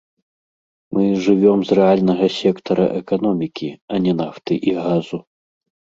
Мы жывём з рэальнага сектара эканомікі, а не нафты і газу.